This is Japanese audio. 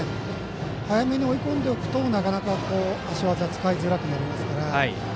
早めに追い込んでおけばなかなか足技は使いづらくなりますから。